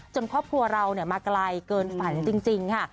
ครอบครัวเรามาไกลเกินฝันจริงค่ะ